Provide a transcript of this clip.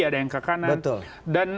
ada yang ke kanan dan